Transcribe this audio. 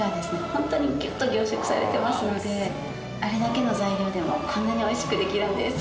ホントにギュッと凝縮されてますのであれだけの材料でもこんなに美味しくできるんです。